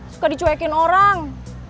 suka dicuekin orang